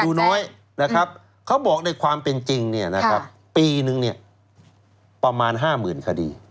อยู่น้อยนะครับเขาบอกในความเป็นจริงเนี่ยนะครับปีนึงเนี่ยประมาณ๕๐๐๐คดี